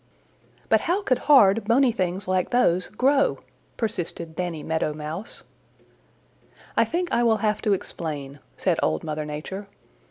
"But how could hard, bony things like those grow?" persisted Danny Meadow Mouse. "I think I will have to explain," said Old Mother Nature.